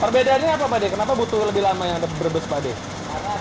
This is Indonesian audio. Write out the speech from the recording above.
perbedaannya apa pak kenapa butuh lebih lama yang berbes pak